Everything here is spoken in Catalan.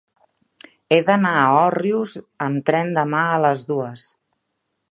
He d'anar a Òrrius amb tren demà a les dues.